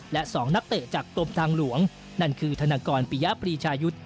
และ๒นักเตะจากกรมทางหลวงนั่นคือธนกรปิยปรีชายุทธ์